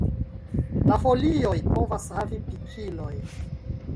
La folioj povas havi pikiloj.